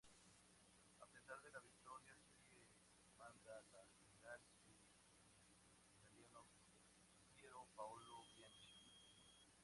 A pesar de la victoria, sigue comanda la general el italiano Pier Paolo Bianchi.